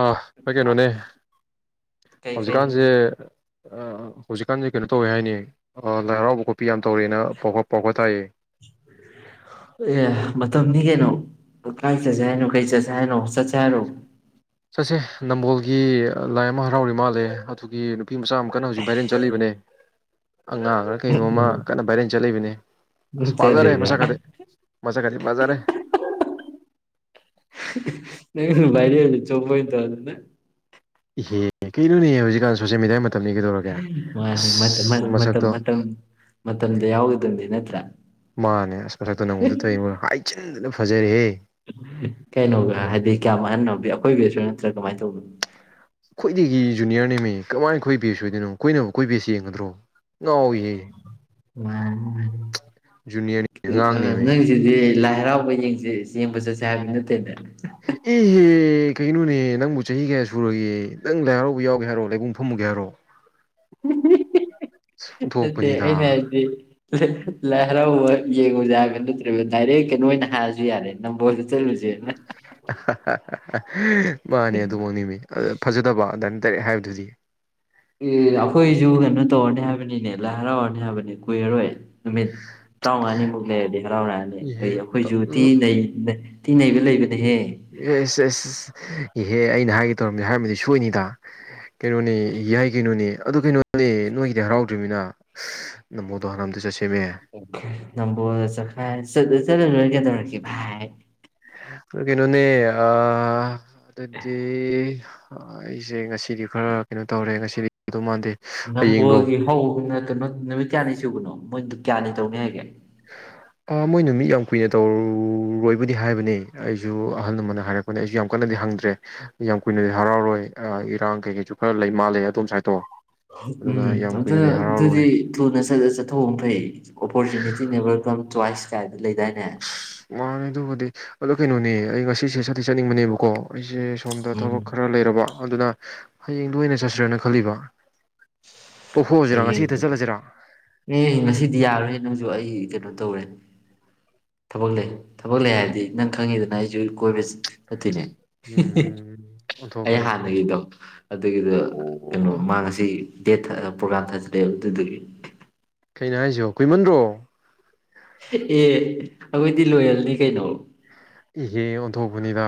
ꯑ ꯍꯣꯏ ꯀꯩꯅꯣꯅꯦ ꯀꯩ ꯀꯩ ꯍꯧꯖꯤꯛꯀꯥꯟꯁꯦ ꯍꯧꯖꯤꯛꯀꯥꯟꯁꯦ ꯀꯩꯅꯣ ꯇꯧꯋꯦ ꯍꯥꯏꯅꯤ ꯂꯥꯏ ꯍꯔꯥꯎꯕ ꯈꯣꯠ ꯄꯤ ꯌꯥꯝ ꯇꯧꯔꯦꯅ ꯄꯥꯎ ꯄꯥꯎꯕ ꯇꯥꯏꯌꯦ ꯑꯦ ꯃꯇꯝꯅꯤ ꯀꯩꯅꯣ ꯀꯥꯏ ꯆꯖꯥꯏꯅ ꯀꯩ ꯆꯖꯥꯏꯅꯣ ꯁꯆꯥ ꯍꯥꯏꯔꯣ ꯆꯠꯁꯦ ꯅꯝꯕꯣꯜꯒꯤ ꯂꯥꯏ ꯑꯃ ꯍꯔꯥꯎꯔꯤ ꯃꯥꯜꯂꯦ ꯑꯗꯨꯒꯤ ꯅꯨꯄꯤ ꯃꯆꯥ ꯑꯃꯛꯀꯟꯅ ꯍꯧꯖꯤꯛ ꯚꯥꯏꯔꯦꯜ ꯆꯠꯂꯤꯕꯅꯦ ꯑꯉꯥꯡ ꯈꯔ ꯀꯩꯅꯣꯝꯃ ꯀꯟꯅ ꯚꯥꯏꯔꯦꯟ ꯆꯠꯂꯛꯏꯕꯅꯦ ꯎꯝ ꯑꯁ ꯄꯥꯖꯔꯦ ꯆꯠꯂꯤꯕ꯭ꯔꯥ ꯃꯆꯥ ꯈꯇꯤ ꯃꯆꯥ ꯈꯥꯇꯤ ꯄꯥꯖꯔꯦ ꯔꯤ ꯆꯣꯄ ꯍꯣꯏꯠꯇ ꯑꯗꯨꯅ ꯑꯦꯍ ꯀꯩꯅꯣꯅꯦꯍ ꯍꯧꯖꯤꯛꯀꯥꯟ ꯁꯣꯁꯦꯜ ꯃꯦꯗꯤꯌꯥ ꯃꯥꯅꯤ ꯃ ꯃ ꯃꯁꯛꯇꯣ ꯃꯗ ꯌꯥꯎꯗꯗ ꯅꯠꯇ ꯃꯥꯅꯦ ꯑꯁ ꯃꯁꯛꯇꯣ ꯅꯪꯉꯣꯟꯗ ꯇꯧꯔꯤꯕ ꯐꯖꯔꯦꯍꯦ ꯀꯩꯅꯣꯒ ꯍꯥꯏꯗꯤ ꯀꯌꯥꯝ ꯃꯥꯟꯍꯟꯅꯣ ꯑꯩꯈꯣꯏꯕꯤꯁꯨ ꯅꯠꯇ꯭ꯔꯥ ꯀꯃꯥꯏꯅ ꯇꯧꯕꯅꯣ ꯑꯩꯈꯣꯏꯗꯒꯤ ꯖꯨꯅꯤꯌꯔꯅꯦꯦꯝꯃꯤ ꯀꯃꯥꯏꯅꯈꯣꯏ ꯕꯦꯁ ꯑꯣꯏꯗꯣꯏꯅꯣ ꯀꯣꯏꯅ ꯑꯩꯣꯏ ꯕꯦꯁ ꯌꯦꯡꯒꯗ꯭ꯔꯣ ꯉꯥꯎꯏꯍꯦ ꯖꯨꯅꯤꯌꯔꯅꯤ ꯑꯉꯥꯡꯅꯦꯃꯦ ꯁꯤꯗꯤ ꯍꯔꯥꯎꯕ ꯌꯦꯡꯁꯦ ꯌꯦꯡꯕ ꯆꯠꯁꯦ ꯍꯥꯏꯕ ꯅꯠꯇꯦꯅꯦ ꯏꯍꯦ ꯀ ꯀꯩꯅꯣꯅꯦ ꯅꯪꯕꯨ ꯆꯍꯤ ꯀꯌꯥ ꯁꯨꯔꯒꯦ ꯅꯪ ꯂꯥꯏ ꯍꯔꯥꯎꯕ ꯌꯥꯎꯒꯦ ꯍꯥꯏꯔꯣ ꯂꯥꯏꯕꯨꯡ ꯐꯝꯃꯨꯒꯦ ꯍꯥꯏꯔꯣ ꯎꯝ ꯑ ꯑꯣꯟꯊꯣꯛꯄꯅꯤꯗ ꯑꯩꯩꯅꯁꯗꯤ ꯂꯥꯏ ꯍꯔꯥꯎꯕ ꯌꯦꯡꯉꯨ ꯌꯥꯕ ꯅꯠꯇ꯭ꯔꯦꯕ ꯗꯥꯏꯔꯦꯛ ꯀꯩꯅꯣ ꯑꯣꯏꯅ ꯍꯥꯏꯔꯁꯨ ꯌꯥꯔꯦ ꯅꯝꯕꯣꯜꯗ ꯆꯠꯂꯨꯁꯦꯅ [inaudible] ꯃꯥꯅꯦ ꯑꯗꯨꯃꯛꯅꯤꯃꯤ ꯑ ꯐꯖꯗꯕ ꯑꯗꯨꯟ ꯇꯔꯦ ꯍꯥꯏꯕꯗꯨꯗꯤ ꯑꯦ ꯑꯩꯈꯣꯏꯁꯨ ꯀꯩꯅꯣ ꯇꯧꯔꯅꯤ ꯍꯥꯏꯕꯅꯤꯅꯦ ꯂꯥꯏ ꯍꯔꯥꯎꯔꯅꯤ ꯍꯥꯏꯕꯅꯤ ꯀꯨꯏꯔꯔꯣꯏ ꯅꯨꯃꯤꯠ ꯇꯔꯥꯃꯉꯥꯅꯤꯃꯨꯛ ꯂꯩꯔꯗꯤ ꯍꯔꯥꯎꯔꯑꯅꯤ ꯏꯍꯦ ꯑꯩ ꯑꯩꯈꯣꯏꯁꯨ ꯊꯤ ꯇꯤꯡꯉꯩꯕ ꯂꯩꯕ ꯑꯦ ꯏꯍꯦ ꯑꯩꯅ ꯍꯥꯏꯒꯦ ꯇꯧꯔꯝꯃꯤ ꯍꯥꯏꯔꯝꯃꯗꯤ ꯁꯣꯏꯅꯤꯗ ꯀꯩꯅꯣꯅꯦ ꯌꯥꯏ ꯀꯩꯅꯣꯅꯦ ꯑꯗꯨ ꯀꯩꯅꯣꯅꯦ ꯅꯣꯏꯒꯤꯗꯤ ꯍꯔꯥꯎꯗ꯭ꯔꯤꯕꯃꯤꯅ ꯅꯃꯣꯗꯣ ꯍꯔꯝꯗ ꯆꯠꯁꯤ ꯅꯝꯕꯣꯗ ꯆ ꯆ ꯆꯠꯣ ꯀꯦ ꯇꯧꯔꯛ ꯚꯥꯏ ꯀꯩꯅꯣꯅꯤ ꯑ ꯑꯗꯨꯗꯤ ꯍ ꯑꯩꯁꯦ ꯉꯁꯤꯗꯤ ꯈꯔ ꯀꯩꯅꯣ ꯇꯧꯔꯦ ꯉꯁꯤꯗꯤ ꯑꯗꯨ ꯃꯥꯟꯗꯦ ꯍꯌꯦꯡꯗꯣ ꯅꯝꯕꯣꯜꯒꯤ ꯍꯧ ꯅꯠꯇꯕ ꯅꯨꯃꯤꯠ ꯀꯌꯥꯅꯤ ꯁꯨꯕꯅꯣ ꯃꯣꯏꯗꯣ ꯀꯌꯥꯅꯤ ꯇꯧꯅꯦ ꯍꯥꯏꯒꯦ ꯑ ꯃꯣꯏ ꯅꯨꯃꯤꯠ ꯌꯥꯝ ꯀꯨꯏꯅ ꯇꯧꯔꯔꯣꯏꯕꯨꯗꯤ ꯍꯥꯏꯕꯅꯦ ꯑꯩꯁꯨ ꯑꯍꯜ ꯑꯃꯅ ꯍꯥꯏꯔꯛꯄꯅꯦ ꯑꯩꯁꯨ ꯌꯥꯝ ꯀꯟꯅꯗꯤ ꯍꯪꯗ꯭ꯔꯦ ꯌꯥꯝ ꯀꯨꯏꯅꯗꯤ ꯍꯔꯥꯎꯔꯣꯏ ꯑ ꯏꯔꯥꯡ ꯀꯩꯀꯩꯁꯨ ꯈꯔ ꯂꯩ ꯃꯥꯜꯂꯦ ꯑꯗꯣꯝ ꯁꯥꯏꯗꯇꯣ ꯍ ꯎꯝ ꯑꯗꯨꯅ ꯑꯗꯨꯗꯤ ꯊꯨꯅꯁ ꯁꯖꯆꯠꯊꯣꯛ ꯎꯝ ꯐꯩ ꯑꯣꯄꯣꯔꯆꯨꯅꯤꯇꯤ ꯅꯦꯕꯔ ꯀꯝ ꯇꯨꯋꯥꯏꯁ ꯀꯥꯏꯗ ꯂꯩꯗꯥꯏꯅꯦ ꯃꯥꯅꯦ ꯑꯗꯨꯕꯨꯗꯤ ꯑꯗꯣ ꯀꯩꯅꯣꯅꯦ ꯑꯩ ꯉꯁꯤꯁꯦ ꯆꯠꯇꯤ ꯆꯠꯅꯤꯡꯕꯅꯦꯕꯀꯣ ꯑꯩꯁꯦ ꯁꯣꯝꯗ ꯎꯝ ꯊꯕꯛ ꯈꯔ ꯂꯩꯔꯕ ꯑꯗꯨꯅ ꯍꯌꯦꯡꯗꯨ ꯑꯣꯏꯅ ꯆꯠꯁꯤꯔꯥꯅ ꯈꯜꯂꯤꯕ ꯇꯣꯛꯊꯣꯛꯑꯁꯤꯔꯥ ꯉꯁꯤ ꯍꯦꯛꯇ ꯍꯌꯦꯡꯗꯨ ꯆꯠꯂꯁꯤꯔꯥ ꯑꯦ ꯉꯁꯤꯗꯤ ꯌꯥꯔꯣꯏꯍꯦ ꯅꯪꯁꯨ ꯑꯩ ꯑꯩ ꯀꯩꯅꯣ ꯇꯧꯔꯦ ꯊꯕꯛ ꯂꯩ ꯊꯕꯛ ꯂꯩ ꯍꯥꯏꯕꯗꯤ ꯅꯪ ꯈꯪꯉꯤꯗꯅ ꯑꯩꯁꯨ ꯀꯣꯏꯕ ꯆꯠꯇꯣꯏꯅꯤ ꯍꯤꯍꯤ ꯎꯝ ꯑꯩ ꯑꯣꯟꯊꯣꯛꯄꯅꯤ ꯍꯥꯟꯅꯒꯤꯗꯣ ꯑꯗꯨꯒꯤꯗꯣ ꯀꯩꯅꯣ ꯑꯣ ꯃꯥ ꯉꯁꯤ ꯗꯦꯠ ꯊꯑ ꯄ꯭ꯔꯣꯒ꯭ꯔꯥꯝ ꯊꯥꯖꯜꯂꯛꯑꯦ ꯑꯗꯨꯗꯨꯒꯤ ꯀꯩꯅꯣ ꯍꯥꯏꯁꯤꯕꯣ ꯀꯨꯏꯃꯟꯗ꯭ꯔꯣ ꯑꯦ ꯑꯩꯈꯣꯏꯗꯤ ꯂꯣꯌꯦꯜꯅꯤ ꯀꯩꯅꯣ ꯏꯍꯦ ꯑꯣꯟꯊꯣꯛꯄꯅꯤꯗ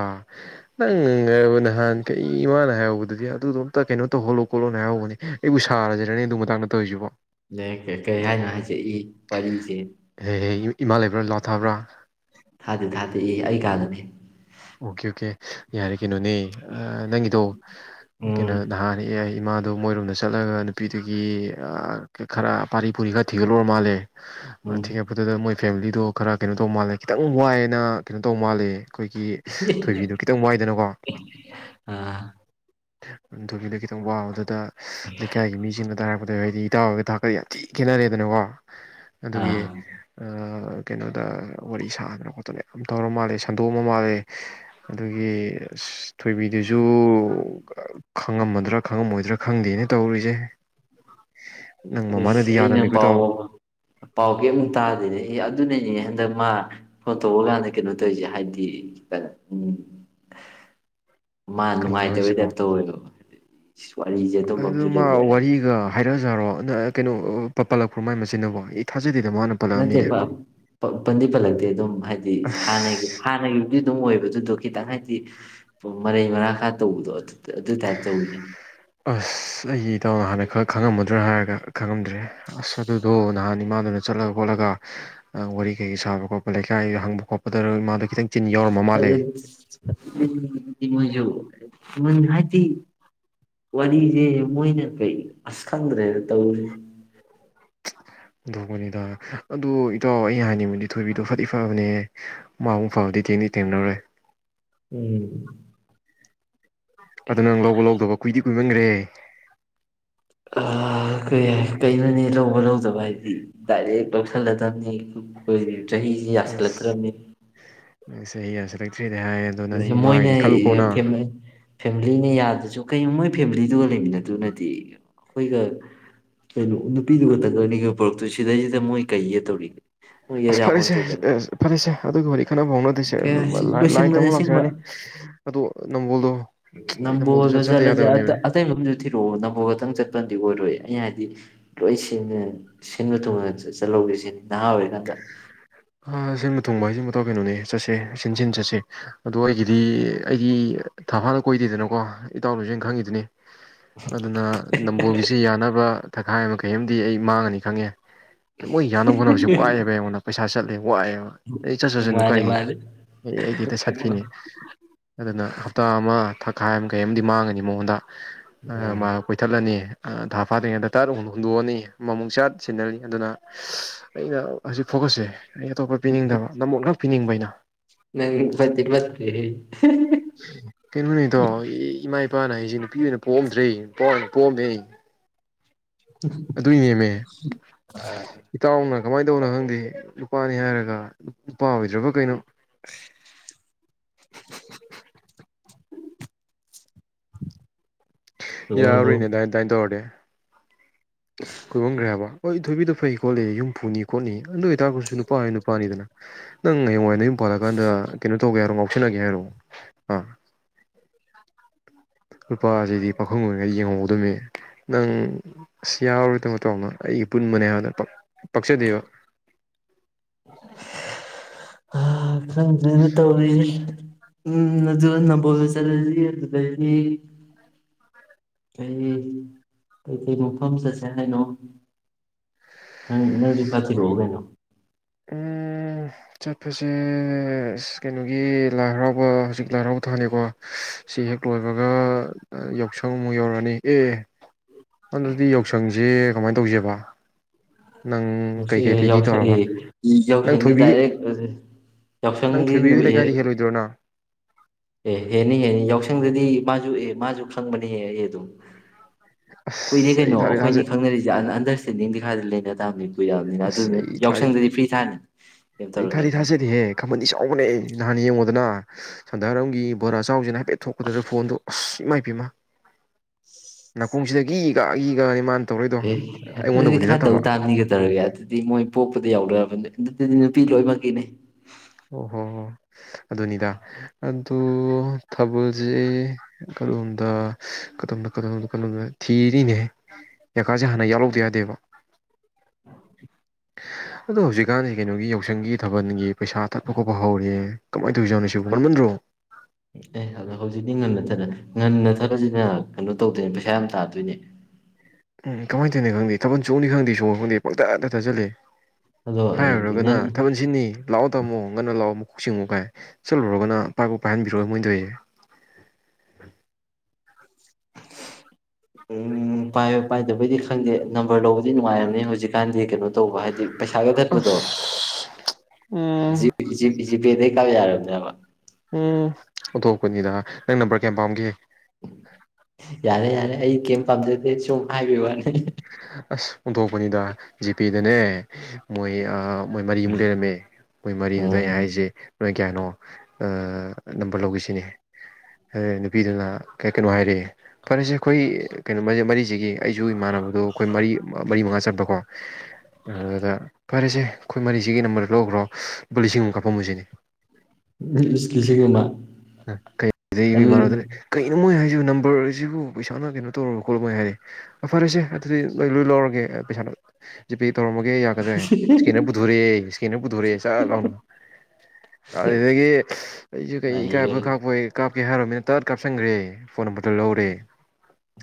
ꯅꯪꯅꯕꯨ ꯅꯍꯥꯟ ꯀꯩ ꯏꯃꯥꯥꯅ ꯍꯥꯏꯍꯧꯕꯗꯗꯤ ꯑꯗꯨꯗꯣ ꯑꯝꯇ ꯀꯩꯅꯣ ꯇꯧꯍꯜꯂꯣ ꯈꯣꯠꯂꯣꯅ ꯍꯥꯏꯍꯧꯕꯅꯦ ꯑꯩꯕꯨ ꯁꯥꯔꯁꯤꯔꯥꯅꯦ ꯑꯗꯨ ꯃꯇꯥꯡꯗ ꯇꯧꯔꯤꯁꯤꯕꯣ ꯅꯩ ꯀꯩ ꯀꯩ ꯍꯥꯏꯅꯣ ꯍꯥꯏꯁꯦ ꯏ ꯋꯥꯔꯤꯁꯦ ꯍꯦꯍꯦ ꯏꯃꯥ ꯂꯩꯕ꯭ꯔꯥ ꯂꯥꯎꯗ ꯊꯥꯕ꯭ꯔꯥ ꯊꯥꯗꯦ ꯊꯥꯗꯦ ꯏ ꯑꯩ ꯀꯥꯗꯅꯤ ꯑꯣꯀꯦ ꯑꯣꯀꯦ ꯌꯥꯔꯦ ꯀꯩꯅꯣꯅꯦ ꯑ ꯅꯪꯒꯤꯗꯣ ꯀꯩꯅꯣ ꯎꯝ ꯅꯍꯥꯟꯅꯦ ꯑꯩ ꯏꯃꯥꯗꯨ ꯃꯣꯏꯔꯣꯝꯗ ꯆꯠꯂꯒ ꯅꯨꯄꯤꯗꯨꯒꯤ ꯑ ꯈꯔ ꯄꯥꯔꯤ ꯄꯨꯔꯤ ꯈꯔ ꯊꯤꯒꯠꯂꯨꯔ ꯃꯥꯜꯂꯦ ꯑ ꯎꯝ ꯊꯤꯒꯠꯄꯗꯨꯗ ꯃꯣꯏ ꯐꯦꯃꯤꯂꯤꯗꯣ ꯈꯔ ꯀꯩꯅꯣ ꯇꯧ ꯃꯥꯜꯂꯦ ꯈꯤꯇꯪ ꯋꯥꯏꯌꯦꯅ ꯀꯩꯅꯣ ꯇꯧ ꯃꯥꯜꯂꯦ ꯑꯩꯈꯣꯏꯒꯤ ꯊꯣꯏꯕꯤꯗꯨ ꯈꯤꯇꯪ ꯋꯥꯏꯗꯅꯀꯣ ꯑꯥ ꯎꯝ ꯊꯣꯏꯕꯤꯗꯣ ꯈꯤꯇꯪ ꯋꯥꯕꯗꯨꯗ ꯂꯩꯀꯥꯏꯒꯤ ꯃꯤꯁꯤꯡꯅ ꯇꯥꯔꯛ ꯑꯗꯨꯗ ꯍꯥꯏꯗꯤ ꯏꯇꯥꯎ ꯍꯣꯏꯒ ꯊꯥꯛꯇꯣ ꯌꯥꯝ ꯊꯤ ꯈꯦꯠꯅꯔꯦꯗꯅꯀꯣ ꯑꯗꯨꯒꯤ ꯑꯥ ꯑ ꯀꯩꯅꯣꯗ ꯋꯥꯔꯤ ꯁꯥꯗꯅ ꯈꯣꯠꯇꯅ ꯌꯥꯝ ꯇꯧꯔ ꯃꯥꯜꯂꯦ ꯁꯟꯗꯣꯛꯑꯃ ꯃꯥꯜꯂꯦ ꯑꯗꯨꯒꯤ ꯑ ꯊꯣꯏꯕꯤꯗꯨꯁꯨ ꯈꯪꯉꯝꯃꯗ꯭ꯔꯥ ꯈꯪꯉꯝꯃꯣꯏꯗ꯭ꯔꯥ ꯈꯪꯗꯦꯅ ꯇꯧꯔꯤꯁꯦ ꯅꯪ ꯏꯁꯁ ꯃꯃꯥꯅꯗꯤ ꯑꯩꯅ ꯌꯥꯗꯃꯤꯀꯣ ꯄꯥꯎ ꯏꯇꯥꯎ ꯄꯥꯎ ꯀꯔꯤꯝꯇ ꯇꯥꯗꯦꯅꯦ ꯑꯦ ꯑꯗꯨꯅꯅꯦ ꯍꯟ ꯑꯗ ꯃꯥ ꯐꯣꯟ ꯇꯣꯛꯑ ꯀꯥꯟꯗ ꯀꯩꯅꯣ ꯇꯧꯔꯤꯁꯦ ꯍꯥꯏꯗꯤꯩꯅꯣ ꯎꯝ ꯃꯥ ꯀꯩꯅꯣ ꯅꯨꯡꯉꯥꯏꯇꯕꯩꯗ ꯍꯥꯏꯁꯤꯕꯣ ꯑꯦꯇ ꯑꯣꯏꯗꯣ ꯑꯗꯨ ꯃꯥ ꯋꯥꯔꯤꯒ ꯍꯥꯏꯔꯛꯑꯖꯥꯔꯣ ꯅ ꯀꯩꯅꯣ ꯄ ꯄꯜꯂꯛꯄ꯭ꯔꯣ ꯃꯥꯏ ꯃꯆꯤꯟꯅꯕꯣ ꯏ ꯊꯥꯖ ꯅꯠꯇꯦ ꯄꯟꯗꯤ ꯄꯜꯂꯛꯇꯦ ꯑꯗꯨꯝ ꯍꯥꯏꯗꯤ ꯍꯥꯟꯅꯒꯤ ꯑꯁ ꯍꯥꯟꯅꯒꯤꯕꯨꯗꯤ ꯑꯗꯨꯝ ꯑꯣꯏꯕꯗ ꯑꯗꯨꯗꯣ ꯈꯤꯇꯪ ꯍꯥꯏꯗꯤ ꯃꯔꯩ ꯃꯔꯥꯡ ꯈꯔ ꯇꯧꯕꯗꯣ ꯑꯗꯨ ꯇꯥꯏꯞ ꯇꯧꯋꯤꯅꯦ ꯑꯁ ꯑꯩ ꯏꯇꯥꯎꯅ ꯍꯥꯟꯅꯛ ꯈꯔ ꯈꯪꯉꯝꯃꯗ꯭ꯔꯥ ꯍꯥꯏꯔꯒ ꯈꯪꯉꯝꯗ꯭ꯔꯦ ꯑꯁ ꯑꯗꯨꯗꯣ ꯅꯍꯥꯟ ꯏꯃꯥꯗꯨꯅ ꯆꯠꯂ ꯈꯣꯠꯂꯒ ꯋꯥꯔꯤ ꯀꯩ ꯁꯥꯕ ꯈꯣꯠꯄ ꯂꯩꯀꯥꯏꯗ ꯍꯪꯕ ꯈꯣꯠꯄꯗ ꯏꯃꯥꯗ ꯈꯤꯇꯪ ꯆꯤꯟ ꯌꯥꯎꯔꯝꯕ ꯑꯗꯨ ꯃꯥꯜꯂꯦ ꯃꯖꯨ ꯃ ꯍꯥꯏꯗꯤ ꯋꯥꯔꯤꯁꯦ ꯃꯣꯏꯅ ꯀꯩ ꯑꯁ ꯈꯪꯗ꯭ꯔꯦꯅ ꯇꯧꯔꯤꯁꯦ ꯍꯊꯣꯛꯄꯅꯤꯗ ꯑꯗꯨ ꯏꯇꯥꯎ ꯑꯩꯅ ꯍꯥꯏꯅꯤꯡꯕꯗꯤ ꯊꯣꯏꯕꯤꯗꯣ ꯐꯗꯤ ꯐꯕꯅꯦ ꯃꯨꯡ ꯐꯥꯎꯗꯤ ꯊꯦꯡꯅꯤ ꯇꯦꯝꯅꯔꯣꯏ ꯎꯝ ꯑꯗꯨ ꯅꯪ ꯂꯧꯕ ꯂꯧꯗꯕ ꯀꯨꯏꯗꯤ ꯀꯨꯏꯃꯟꯈ꯭ꯔꯦ ꯀꯩ ꯀꯩꯅꯣꯅꯦ ꯂꯧꯕ ꯂꯧꯗꯕ ꯍꯥꯏꯗꯤ ꯗꯥꯏꯔꯦꯛ ꯂꯧꯧꯁꯜꯂꯗꯕꯅꯤ ꯀꯣꯏꯔꯦ ꯆꯍꯤꯁꯤ ꯌꯥꯁꯂꯈ꯭ꯔꯃꯤ ꯁ ꯆꯍꯤꯁꯔꯛ ꯃꯣꯏꯅ ꯐꯦꯃꯤꯂꯤꯅ ꯌꯥꯗ꯭ꯔꯁꯨ ꯀꯩ ꯃꯣꯏ ꯐꯦꯃꯤꯂꯤꯗꯨꯒ ꯂꯩꯃꯤꯟꯅꯗꯨꯅꯗꯤ ꯑꯩꯈꯣꯏꯒ ꯀꯩꯅꯣ ꯅꯨꯄꯤꯗꯨꯒ ꯇꯪꯒꯅꯤꯒ ꯄꯨꯣꯔꯛꯇꯨ ꯁꯤꯗꯩꯁꯤꯗ ꯃꯣꯏ ꯀꯩꯒ ꯇꯧꯔꯤꯒꯦ ꯃꯣꯏ ꯑꯁ ꯐꯔꯦꯁꯦ ꯌꯥꯄꯣꯟꯇꯦꯗꯅ ꯐꯔꯦꯁꯦ ꯑꯗꯨꯒꯤ ꯋꯥꯔꯤ ꯈꯟꯅꯅꯕ ꯍꯧꯅꯗꯣꯏꯁꯦ ꯂ ꯂꯣꯏꯁꯤꯟꯕꯅꯦ ꯑꯁꯦꯡꯕ ꯑꯩ ꯅꯝꯕꯣꯜꯗꯣ ꯅꯝꯕꯣꯜꯗ ꯆꯠꯇ ꯆꯠꯂꯁꯦ ꯌꯥꯗꯕꯅꯦꯃꯤ ꯑꯇꯩꯕꯝꯗꯨ ꯊꯤꯔꯛꯑꯣ ꯅꯝꯕꯣꯜ ꯈꯛꯇꯪ ꯆꯠꯄꯗꯤ ꯑꯣꯏꯔꯣꯏꯑ ꯑ ꯍꯥꯏꯗꯤ ꯂꯣꯏ ꯁꯤꯟꯕ ꯊꯨꯡꯉꯒ ꯆꯜꯍꯧꯒꯦ ꯁꯤꯅꯤ ꯅꯍꯥ ꯑꯣꯏꯋꯦ ꯗ ꯁꯤꯟꯕ ꯊꯨꯡꯕ ꯍꯥꯏꯁꯤ ꯃꯇꯥꯎ ꯀꯩꯅꯣꯅꯦ ꯆꯠꯁꯦ ꯆꯟꯁꯤꯟ ꯆꯠꯁꯦ ꯑꯗꯣ ꯑꯩꯒꯤꯗꯤ ꯑꯩꯒꯤ ꯊꯐꯥꯅ ꯀꯣꯏꯗꯦꯗꯅꯀꯣ ꯏꯇꯥꯎ ꯂꯨꯁꯤꯦꯟ ꯈꯪꯉꯤꯗꯨꯅꯤ ꯑꯗꯨꯅ ꯅꯝꯕꯣꯜꯒꯤꯁꯤ ꯌꯥꯅꯕ ꯊꯛꯈꯥꯏ ꯑꯃ ꯀꯩꯦꯝꯗꯤ ꯑꯩ ꯃꯥꯡꯉꯅꯤ ꯈꯪꯉꯦ ꯃꯣꯏ ꯌꯥꯅꯕ ꯍꯣꯠꯅꯕꯁꯤ ꯋꯥꯏꯑ ꯄꯩꯁꯥ ꯆꯠꯂꯤꯕ ꯋꯥꯏꯑꯦꯕ ꯑꯩ ꯆꯠ ꯆꯠꯁꯠꯅꯨ ꯃꯥꯅꯦ ꯀꯥꯏꯗꯦ ꯃꯥꯅꯦ ꯑꯩ ꯑꯩ ꯍꯦꯛꯇ ꯁꯠꯈꯤꯅꯤ ꯎꯝ ꯑꯗꯨꯅ ꯍꯞꯇꯥ ꯑꯃ ꯈꯥꯏ ꯑꯃ ꯀꯩ ꯑꯃꯗꯤꯗꯤ ꯃꯥꯡꯉꯅꯤ ꯃꯉꯣꯟꯗ ꯃꯥ ꯀꯣꯏꯇꯥꯂꯥꯅꯤ ꯊꯥ ꯐꯥꯗ꯭ꯔꯤꯉꯩꯗ ꯇꯔꯥꯛ ꯍꯨꯝ ꯍꯨꯟꯗꯣꯛꯑꯅꯤ ꯃꯃꯨꯡ ꯆꯥꯠ ꯁꯤꯟꯅꯅꯤ ꯑꯗꯨꯅ ꯑꯩꯅ ꯑꯁꯤ ꯐꯣꯀꯁꯁꯦ ꯑꯩ ꯑꯇꯣꯞꯄ ꯄꯤꯅꯤꯡꯗꯕ ꯅꯣ ꯄꯤꯅꯤꯡꯕꯩꯅ ꯅꯪ ꯐꯦ ꯃꯦ ꯀꯦꯟꯃꯅꯤ ꯇꯣ ꯏ ꯏꯃꯥꯏ ꯅꯨꯄꯥꯅ ꯑꯩꯁꯦ ꯅꯨꯄꯤ ꯑꯣꯏꯅ ꯄꯣꯝꯗ꯭ꯔꯦ ꯄꯣꯝꯃꯦ ꯑꯩ ꯑꯗꯨꯏ ꯅꯦꯝꯃꯦ ꯏꯇꯥꯎꯅ ꯀꯃꯥꯏꯅ ꯇꯧꯅꯣ ꯈꯪꯗꯦ ꯅꯨꯄꯥꯅꯤ ꯍꯥꯏꯔꯒ ꯅꯨꯄꯥ ꯑꯣꯏꯗ꯭ꯔꯕ ꯀꯩꯅꯣ ꯍꯜꯂꯣ ꯍꯜꯂꯣ ꯌꯥꯔꯨꯅꯦ ꯗꯥꯏꯟꯗꯥꯏꯅ ꯇꯧꯔꯅꯦꯦ ꯍꯣꯏꯕꯣꯡꯈ꯭ꯔꯦ ꯍꯥꯏꯕ ꯑꯊꯣꯏꯕꯤꯗ ꯐꯩ ꯈꯣꯠꯂꯤ ꯌꯨꯝ ꯄꯨꯨꯅꯤ ꯈꯣꯠꯅꯤ ꯅꯣꯏ ꯇꯥꯛꯄꯁꯨ ꯅꯨꯄꯥ ꯍ ꯅꯨꯄꯥꯅꯤꯗꯅ ꯅꯪ ꯍꯌꯦꯡꯋꯥꯏꯗ ꯌꯨꯝ ꯄꯥꯜꯂꯀꯥꯟꯗ ꯀꯩꯅꯣ ꯇꯧꯒꯦ ꯍꯥꯏꯔꯣ ꯉꯥꯎꯁꯟꯅꯒꯦ ꯍꯥꯏꯔꯣ ꯑꯥ ꯂꯨꯄꯥꯁꯤꯗꯤ ꯄꯥꯈꯪ ꯑꯣꯏꯔꯤꯉꯩ ꯌꯦꯡꯍꯧꯒꯗꯕꯅꯦ ꯅꯪ ꯑꯁ ꯌꯥꯎꯔꯣꯏ ꯇꯥꯃꯣ ꯇꯥꯃꯅꯣ ꯑꯩꯒꯤ ꯄꯨꯟꯕꯅꯦ ꯍꯥꯏꯅ ꯄ ꯄꯁꯤꯗꯕ [unintelligible] ꯎꯝ ꯪꯖꯅ ꯇꯧꯔꯤ ꯎꯝ ꯑꯗꯨ ꯅꯝꯕꯣꯜꯗ ꯆꯠꯂꯁꯤ ꯑꯗꯨꯗꯒꯤ ꯀꯩ ꯀꯩꯀꯩ ꯃꯣꯐꯝ ꯆꯠꯁꯦ ꯍꯥꯏꯅꯣ ꯅꯪ ꯅꯪꯁꯨ ꯀꯥꯞꯆꯤꯔꯛꯑꯣ ꯀꯩꯅꯣ ꯎꯝ ꯆꯠꯄꯁꯦ ꯀꯩꯅꯣꯒꯤ ꯂꯥꯏ ꯍꯔꯥꯎꯕ ꯍꯧꯖꯤꯛ ꯂꯥꯏ ꯍꯔꯥꯎꯕ ꯊꯥꯂꯀꯣ ꯁꯤ ꯍꯦꯛ ꯂꯣꯏꯕꯒ ꯌꯥꯎꯁꯪ ꯑꯃꯨꯛ ꯌꯧꯔꯛꯑꯅꯤ ꯑꯦ ꯑꯗꯨꯗꯤ ꯌꯥꯎꯁꯪꯁꯦ ꯀꯃꯥꯏꯅ ꯇꯧꯖꯦꯕ ꯌꯥꯎꯁꯛ ꯌꯥꯎꯁꯛ ꯅꯪ ꯌꯥꯎꯁꯪꯗꯤ ꯊꯣꯏꯕꯤ ꯗꯥꯏꯔꯦꯛ ꯅꯪ ꯌꯥꯎꯁꯪꯒꯤ ꯊꯣꯏꯕꯤꯒꯤ ꯅꯨꯃꯤꯠ ꯂꯩꯀꯥꯏꯗ ꯍꯦꯜꯂꯣꯏꯗ꯭ꯔꯣ ꯅꯪ ꯑꯦ ꯍꯦꯅꯤ ꯍꯦꯅꯤ ꯌꯥꯎꯁꯪꯗꯗꯤ ꯃꯥꯁꯨ ꯑꯦ ꯃꯥꯁꯨ ꯈꯪꯕꯅꯤ ꯑꯦ ꯑꯗꯨꯝ ꯀꯨꯏꯔꯩ ꯑꯁ ꯑꯩ ꯀꯩꯅꯣ ꯊꯥꯗꯤ ꯊꯥꯖ ꯑꯩꯈꯣꯏꯅꯤ ꯈꯪꯅꯔꯤꯁꯦ ꯑꯟꯗꯔꯁꯇꯦꯟꯗꯤꯡꯗꯤ ꯈꯔ ꯂꯩ ꯌꯦ ꯇꯕꯗꯤ ꯀꯨꯏ ꯌꯥꯕꯅꯤꯅ ꯑꯁ ꯑꯗꯨꯗꯨꯅ ꯑꯩ ꯊꯥꯗꯤ ꯌꯥꯎꯁꯪꯗꯗꯤ ꯐ꯭ꯔꯤ ꯊꯥꯅꯤ ꯀꯩꯝ ꯑꯩ ꯇꯧꯔꯣꯏ ꯊꯥꯗꯤ ꯀꯩꯝ ꯇꯧꯔꯣꯏ ꯊꯥꯖꯗꯤꯍꯦ ꯈꯥꯃꯟꯗꯤ ꯆꯥꯎꯕꯅꯦ ꯅꯍꯥꯟ ꯌꯦꯡꯉ ꯅ ꯁꯟꯗꯥꯔꯒꯤ ꯕꯣꯔꯥ ꯑꯆꯁꯤꯅ ꯍꯥꯏ ꯀꯀꯦ ꯊꯣꯛꯄꯗꯨꯗ ꯐꯣꯟꯗꯣ ꯑꯁꯃꯥꯏ ꯅꯥꯀꯣꯡꯁꯤꯒ ꯏꯒꯅꯤ ꯑꯦ ꯑꯗꯨꯗꯤ ꯈꯔ ꯇꯧ ꯇꯥꯡꯅꯤꯒ ꯇꯧꯔꯒꯦ ꯑꯗꯨꯗꯤ ꯃꯣꯏ ꯄꯣꯛꯄꯗ ꯌꯥꯎꯗ ꯊꯟ ꯑꯗꯨꯗꯤ ꯅꯨꯄꯤ ꯎꯝ ꯂꯣꯏꯃꯛꯀꯤꯅꯦ ꯑꯣ ꯍꯣ ꯍꯣꯏ ꯑꯗꯨꯅꯤꯗ ꯑꯗꯨ ꯊꯥꯕꯜꯁꯦ ꯀꯗꯣꯝꯗꯣꯝꯗꯝꯗꯣꯝꯗ ꯊꯤꯔꯤꯅꯦ ꯖꯀꯥꯁꯦ ꯍꯥꯟꯅ ꯌꯥꯎꯍꯧꯗ ꯌꯥꯗꯦꯕ ꯑꯗꯣ ꯍꯧꯖꯤꯛꯀꯥꯟꯁꯤ ꯀꯩꯅꯣꯒꯤ ꯌꯥꯎꯁꯪꯒꯤ ꯊꯥꯕꯜꯒꯤ ꯄꯩꯁꯥ ꯊꯠꯄ ꯈꯣꯠꯄ ꯍꯧꯔ ꯀꯃꯥꯏꯅ ꯇꯧꯔꯤꯖꯅꯣꯅꯣ ꯁꯤꯕꯨ ꯃꯟꯃꯟꯗ꯭ꯔꯣ ꯑꯦ ꯑꯣ ꯍꯧꯖꯤꯛꯇꯤ ꯉꯟꯅ ꯊꯔꯦ ꯉꯟꯅꯊꯔꯁꯤꯅ ꯀꯩꯅꯣ ꯇꯧꯗꯣꯏꯅꯦ ꯄꯩꯁꯥ ꯌꯥꯝ ꯇꯥꯗꯣꯏꯅꯦ ꯎꯝ ꯀꯃꯥꯏꯅ ꯇꯧꯅꯣ ꯈꯪꯗꯦ ꯊꯥꯟ ꯆꯣꯡꯅꯤ ꯈꯪꯗꯦ ꯁꯣꯡꯅꯣ ꯈꯪꯗꯦ ꯄꯪꯊ ꯇꯛꯊꯠ ꯆꯠꯂꯦ ꯑꯗꯣ ꯍꯥꯏꯔꯨꯔꯒꯅ ꯉꯟ ꯊꯥꯃꯟ ꯁꯤꯅꯤ ꯂꯥꯛꯑꯣ ꯇꯥꯃꯣ ꯉꯟꯅ ꯂꯥꯛꯑꯣꯨ ꯀꯣꯛ ꯆꯤꯡꯉꯨ ꯀꯥꯏ ꯆꯠꯂꯨꯔꯒꯅ ꯄꯥꯏꯈ ꯄꯥꯏꯍꯟꯕꯤꯔꯛꯑꯣ ꯃꯣꯏꯗꯁꯦ ꯎꯝ ꯄꯥꯏ ꯄꯥꯏꯗꯕꯩꯗꯤ ꯈꯪꯗꯦ ꯅꯝꯕꯔ ꯂꯧꯕꯗꯤ ꯅꯨꯡꯉꯥꯏꯔꯝꯅꯤ ꯍꯧꯖꯤꯛꯀꯥꯟꯗꯤ ꯀꯩꯅꯣ ꯇꯧꯕ ꯍꯥꯏꯗꯤ ꯄꯩꯁꯥꯒ ꯀꯠꯄꯗꯣ ꯑꯁ ꯎꯝ ꯄꯗ ꯀꯥ ꯌꯥꯔꯔꯕꯗꯕ ꯎꯝ ꯑꯣꯊꯣꯛꯄꯅꯤꯗ ꯅꯪ ꯅꯝꯕꯔ ꯀꯌꯥꯝ ꯄꯥꯝꯒꯦ ꯌꯥꯔꯦ ꯌꯥꯔꯦ ꯑꯩ ꯀꯩꯝ ꯄꯥꯝꯖꯗꯦ ꯁꯨꯝ ꯍꯥꯏꯕ ꯋꯥꯅꯤ ꯑꯁ ꯑꯣꯟꯊꯣꯛꯄꯅꯤꯗ ꯖꯤꯄꯦꯗꯅꯦ ꯃꯣꯏ ꯃꯣꯏ ꯃꯔꯤꯃꯨꯛ ꯂꯩꯔꯝꯃꯦ ꯃꯣꯏ ꯃꯔꯤꯗꯨꯗ ꯑꯩ ꯎꯝ ꯍꯥꯏꯔꯤꯁꯦ ꯅꯣꯏ ꯀꯌꯥꯅꯣ ꯅꯝꯕꯔ ꯂꯧꯈꯤꯁꯤꯅꯦ ꯅꯨꯄꯤꯗꯨꯅ ꯀꯩꯅꯣ ꯍꯥꯏꯔꯛꯑꯦ ꯐꯔꯦꯁꯦ ꯑꯩꯈꯣꯏ ꯀꯩꯅꯣꯦ ꯃꯔꯤꯁꯤꯒꯤ ꯑꯩꯁꯨ ꯏꯃꯥꯟꯅꯕ ꯑꯩꯈꯣꯏ ꯃꯔꯤ ꯃꯔꯤ ꯃꯉꯥ ꯆꯟꯄꯀꯣ ꯑꯗꯨꯗ ꯐꯔꯦꯁꯦ ꯑꯩꯈꯣꯏ ꯃꯔꯤꯁꯤꯒꯤ ꯅꯝꯕꯔꯗ ꯂꯧꯈ꯭ꯔꯣ ꯂꯨꯄꯥ ꯂꯤꯁꯤꯡ ꯑꯃꯨꯛ ꯀꯥꯞꯄꯝꯕꯁꯤꯅꯤ ꯀꯤꯁꯤꯒꯨꯝꯕ ꯑꯗꯨ ꯁꯤꯕꯨ ꯅꯝꯕꯔꯁꯤꯕꯨ ꯄꯩꯁꯥꯅ ꯀꯩꯅꯣ ꯇꯧꯔꯒ ꯈꯣꯠꯂꯥꯏ ꯍꯥꯏꯔꯦ ꯑ ꯐꯔꯁꯦ ꯑꯗꯨꯗꯤ ꯅꯣꯏ ꯂꯣꯏ ꯂꯧꯔꯒꯦ ꯄꯩꯁꯥꯅ ꯖꯤꯄꯤꯦ ꯇꯧꯔꯝꯃꯒꯦ ꯌꯥꯒꯗ꯭ꯔꯦ ꯏꯁꯀꯦꯟꯅꯔ ꯄꯨꯊꯣꯔꯛꯑꯦ ꯏꯁꯀꯦꯟꯅꯔ ꯄꯨꯊꯣꯔꯛꯑꯦ ꯆꯥꯛ ꯂꯥꯎꯅ ꯑꯗꯨꯗꯒꯤ ꯑꯩꯁꯨ ꯀꯩ ꯅꯩꯔꯦ ꯏꯀꯥꯏꯕ ꯀꯥꯞꯄ ꯀꯥꯞ ꯀꯦ ꯍꯥꯏꯔꯕ ꯃꯤꯅꯠ ꯇꯠ ꯀꯥꯞꯁꯤꯟꯈ꯭ꯔꯦ ꯐꯣꯟ ꯅꯝꯕꯔꯗ ꯂꯧꯔꯦ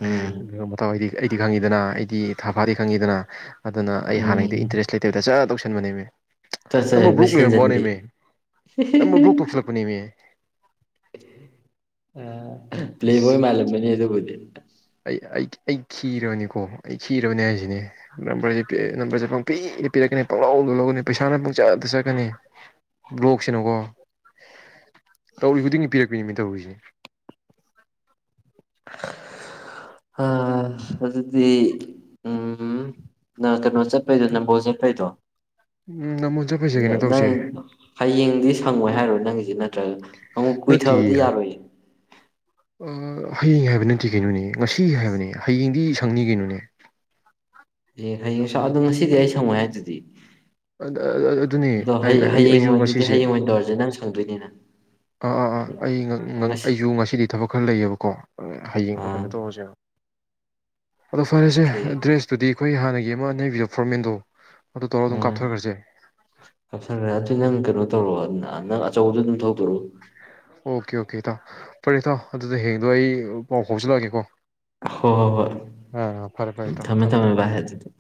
ꯎꯝ ꯃꯊꯋꯥꯗꯤ ꯑꯩꯗꯤ ꯈꯪꯉꯤꯗꯅ ꯑꯩꯗꯤ ꯊꯥ ꯐꯥꯗꯤ ꯈꯪꯉꯤꯗꯅ ꯑꯗꯨꯅ ꯑꯩ ꯎꯝ ꯍꯥꯟꯅꯩꯗꯤ ꯏꯟꯇꯔꯦꯁ ꯂꯩꯇꯕꯗ ꯆ ꯇꯧꯁꯤ ꯟ ꯃꯅꯦꯩꯅꯦ ꯆꯠ ꯆꯠ ꯅꯝꯕ ꯍꯦꯛꯇ ꯕ꯭ꯔꯣꯛ ꯂꯩꯔꯝꯕ ꯁꯤꯟꯖꯟꯕꯤ ꯅꯃꯦ ꯅꯝꯕ ꯕ꯭ꯂꯣꯛ ꯇꯧꯁꯤꯤꯜꯂꯛꯄꯅꯦꯃꯦ ꯑ ꯄ꯭ꯂꯕꯣꯏ ꯑꯁ ꯑꯩ ꯃꯂꯃꯅꯤꯗꯕꯨꯗꯤ ꯑꯩ ꯑꯩ ꯀꯤꯔꯕꯅꯤꯀꯣ ꯑꯩ ꯊꯤꯔꯕꯅꯦ ꯍꯥꯏꯁꯤꯅꯦ ꯅꯝꯕꯔꯁꯦ ꯅꯝꯕꯔꯁꯦ ꯄꯪꯄꯤꯗꯤ ꯄꯤꯔꯛꯀꯅꯤ ꯄꯪꯂꯥꯎ ꯂꯧꯒꯅꯤꯩꯁꯥꯅ ꯄꯨꯡꯆꯥꯗ ꯆ ꯀꯅꯤ ꯕ꯭ꯂꯣꯛꯁꯤꯅꯨꯀꯣ ꯇꯧꯔꯔꯤ ꯈꯨꯗꯤꯡꯒꯤ ꯄꯤꯔꯛꯄꯅꯤꯃꯤ ꯇꯧꯔꯨꯔꯤꯁꯤꯦ ꯑꯗꯨꯗꯤ ꯎꯝ ꯀꯩꯅꯣ ꯆꯖꯄ ꯅ ꯣ ꯆꯠꯄꯩꯗꯣ ꯎꯝ ꯅꯃꯣꯟ ꯆꯠꯄꯩꯁꯦ ꯀꯩꯅꯣ ꯇꯧꯁꯦ ꯅꯪ ꯍꯌꯦꯡꯗꯤ ꯁꯪꯉꯣꯏ ꯍꯥꯏꯔꯣꯏ ꯅꯪꯒꯤꯁꯤ ꯅꯠꯇ꯭ꯔꯒ ꯑꯃꯨꯛ ꯀꯨꯏꯊꯕꯗꯤ ꯅꯠꯇꯦꯌꯦ ꯌꯥꯔꯣꯏꯌꯦ ꯍꯌꯦꯡ ꯍꯥꯏꯕ ꯅꯠꯇꯦ ꯀꯩꯅꯣꯅꯦ ꯉꯁꯤ ꯍꯥꯏꯕꯅꯦ ꯍꯌꯦꯡꯗꯤ ꯁꯪꯅꯤ ꯀꯩꯅꯣꯅꯦ ꯍꯌꯦꯡ ꯍꯌꯦꯡꯁ ꯑꯗꯣ ꯉꯁꯤꯗꯤ ꯑꯩ ꯁꯪꯉꯣꯏ ꯍꯥꯏꯗꯨꯗꯤ ꯑꯗꯨꯅꯤ ꯑꯗꯣ ꯍꯌꯦ ꯍꯌꯦꯡ ꯑꯩꯁꯨ ꯑꯣꯏ ꯑꯗꯨꯗꯤ ꯉꯁꯤꯁꯦ ꯍꯌꯦꯡ ꯑꯣꯏꯅ ꯇꯧꯔꯁꯦ ꯅꯪ ꯁꯪꯗꯣꯏꯅꯤꯅ ꯑꯥ ꯑꯥ ꯑꯥ ꯑꯩ ꯉꯁꯤ ꯑꯩꯁꯨ ꯉꯁꯤꯗꯤ ꯊꯕꯛ ꯈꯔ ꯂꯩꯌꯦꯕꯀꯣ ꯍꯌꯦꯡꯗꯣ ꯀꯩꯅꯣ ꯑꯥ ꯇꯧꯔꯁꯦꯣ ꯑꯗꯣ ꯐꯔꯦꯁꯦ ꯑꯣꯀꯦ ꯑꯦꯗ꯭ꯔꯦꯁꯇꯨꯗꯤ ꯑꯩꯈꯣꯏ ꯍꯥꯟꯅꯒꯤ ꯏꯦꯝ ꯑꯃ ꯅꯩꯕꯤꯌꯣ ꯐꯣꯔꯃꯦꯟꯗꯣ ꯑꯗꯨ ꯇꯂꯣꯗꯣꯡ ꯀꯞꯁꯟꯈ꯭ꯔꯦ ꯑꯗꯨꯏ ꯅꯪ ꯀꯩꯅꯣ ꯇꯧꯔꯣꯑꯣ ꯑ ꯆꯧ ꯊꯣꯛ ꯑꯣꯀꯦ ꯑꯣꯀꯦ ꯊ ꯐꯔꯦ ꯊꯣ ꯑꯗꯨꯗ ꯍꯡꯗꯣ ꯑꯩ ꯄꯥꯎ ꯐꯥꯎꯖꯤꯜꯂꯛꯑꯒꯦꯀꯣ ꯍꯣ ꯍꯣꯏ ꯍꯣꯏ ꯑꯥ ꯐꯔꯦ ꯐꯔꯦ ꯎ ꯏꯇꯥꯎ ꯊꯃꯦ ꯊꯝꯃꯦ ꯍꯥꯏꯔ ꯑꯗꯨ